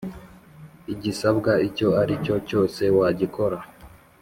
igisabwa icyo ari cyo cyose wagikora